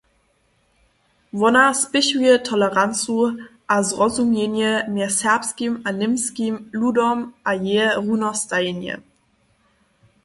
Wona spěchuje tolerancu a zrozumjenje mjez serbskim a němskim ludom a jeje runostajenje.